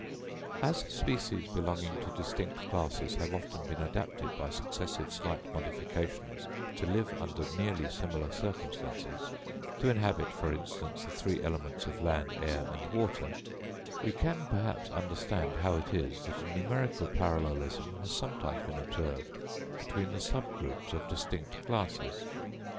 As species belonging to distinct classes have often been adapted by successive slight modifications to live under nearly similar circumstances—to inhabit, for instance, the three elements of land, air and water—we can perhaps understand how it is that a numerical parallelism has sometimes been observed between the subgroups of distinct classes.